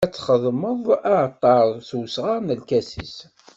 Ad txedmeḍ aɛalṭar s usɣar n lkasis.